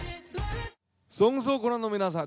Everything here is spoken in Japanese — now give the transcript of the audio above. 「ＳＯＮＧＳ」をご覧の皆さん。